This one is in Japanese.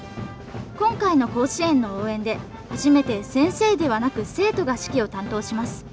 今回の甲子園の応援で初めて、先生ではなく生徒が指揮を担当します。